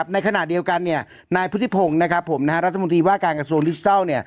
ในขณะเดียวกันนายพุทธิพงศ์รัฐมนตรีว่าการกระทรวงดิจิทัล